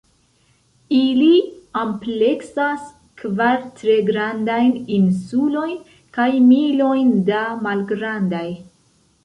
Ili ampleksas kvar tre grandajn insulojn, kaj milojn da malgrandaj.